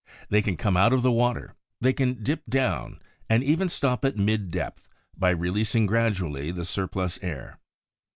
They can come out of the water, they can dip down and even stop at mid depth by releasing gradually the surplus air.